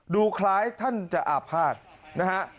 ดูคล้ายท่านจะอาภาษณ์นะฮะ